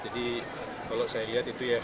jadi kalau saya lihat itu ya